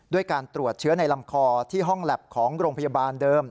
การตรวจเชื้อในลำคอที่ห้องแล็บของโรงพยาบาลเดิม